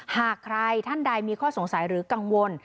หากใครท่านใดมีข้อสงสัยหรือกังวล